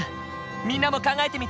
みんなも考えてみて！